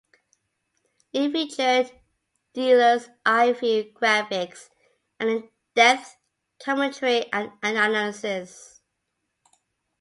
It featured 'Dealer's-eye-view' graphics and in-depth commentary and analysis.